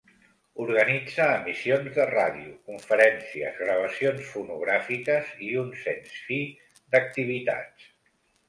Organitzà emissions de ràdio, conferències, gravacions fonogràfiques i un sens fi d'activitats.